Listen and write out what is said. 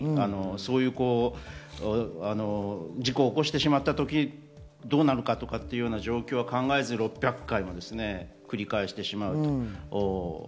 そういうことは考えずに事故を起こしてしまった時どうなるかという状況を考えず６００回も繰り返してしまうという。